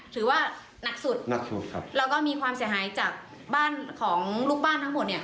ถือว่าหนักสุดหนักสุดครับแล้วก็มีความเสียหายจากบ้านของลูกบ้านทั้งหมดเนี่ย